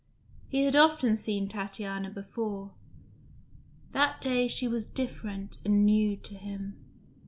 He had often seen Tatiana before: that day she was different and new to him.